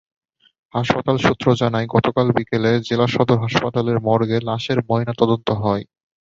হাসপাতাল সূত্র জানায়, গতকাল বিকেলে জেলা সদর হাসপাতালের মর্গে লাশের ময়নাতদন্ত হয়।